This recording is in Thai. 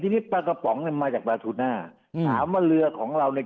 ทีนี้ปลากระป๋องเนี้ยมาจากบาทูน่าถามว่าเรือของเราเนี่ย